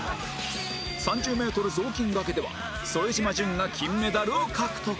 ３０メートル雑巾掛けでは副島淳が金メダルを獲得